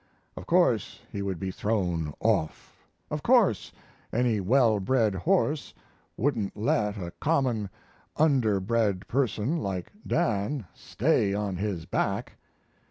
Of course, he would be thrown off. Of course, any well bred horse wouldn't let a common, underbred person like Dan stay on his back!